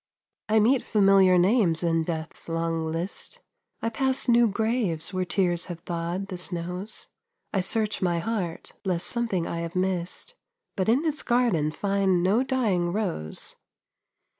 I meet familiar names in Death's long list, I pass new graves where tears have thawed the snows, I search my heart lest something I have missed, But in its garden find no dying rose.